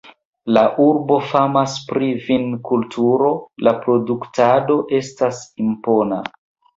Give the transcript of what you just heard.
La urbo famas pri vinkulturo, la produktado estas impona.